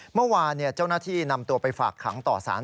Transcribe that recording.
เมื่อวานเจ้าหน้าที่นำตัวไปฝากขังต่อสาร